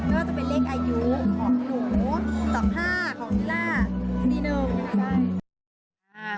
นี่จะเป็นเลขอายุของหนู๒๕ของพี่ลานี่นึง